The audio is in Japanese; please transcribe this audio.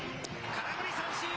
空振り三振！